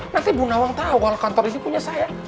nanti bu nawang tahu kalau kantor ini punya saya